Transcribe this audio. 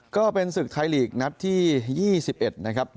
ก็เป็นศึกไทยลีกนัดที่๒๑นะครับ